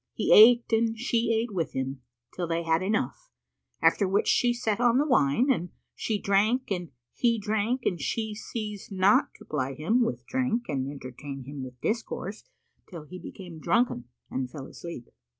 He ate and she ate with him, till they had enough, after which she set on the wine, and she drank and he drank, and she ceased not to ply him with drink and entertain him with discourse, till he became drunken and fell asleep.